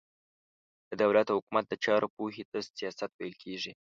د دولت او حکومت د چارو پوهي ته سياست ويل کېږي.